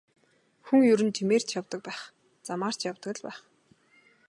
Хүн ер нь жимээр ч явдаг байх, замаар ч явдаг л байх.